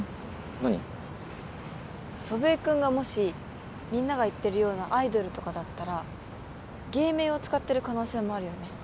うん祖父江君がもしみんなが言ってるようなアイドルとかだったら芸名を使ってる可能性もあるよね？